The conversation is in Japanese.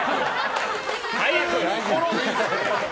早く！